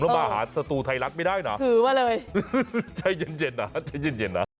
แล้วมาหาสตูไทยรัฐไม่ได้นะถือมาเลยใจเย็นนะใจเย็นนะ